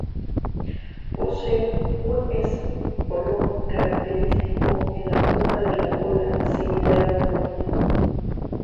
Poseen un espolón característico en la punta de la cola, similar a una uña.